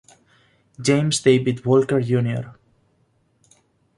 James David Walker Jr.